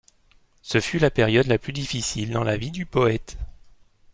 Ce fut la période la plus difficile dans la vie du poète.